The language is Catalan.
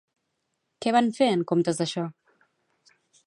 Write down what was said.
Què van fer en comptes d'això?